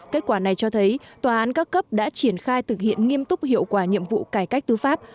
kết quả này cho thấy tòa án các cấp đã triển khai thực hiện nghiêm túc hiệu quả nhiệm vụ cải cách tư pháp